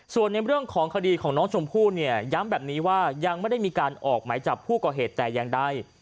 ส่วนในเรื่องของคดีของน้องชมพู่เนี่ยย้ำแบบนี้ว่ายังไม่ได้มีการออกหมายจับผู้ก่อเหตุแต่อย่างใด